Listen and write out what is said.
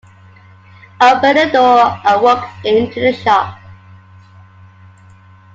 Open the door and walk into the shop.